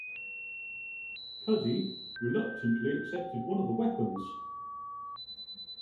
Cuddie reluctantly accepted one of the weapons.